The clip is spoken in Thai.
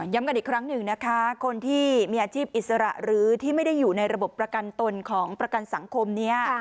กันอีกครั้งหนึ่งนะคะคนที่มีอาชีพอิสระหรือที่ไม่ได้อยู่ในระบบประกันตนของประกันสังคมนี้